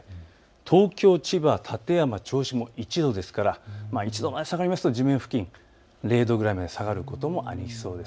東京、千葉、館山、銚子も１度ですから１度まで下がりますと地面付近０度ぐらいまで下がることもありそうです。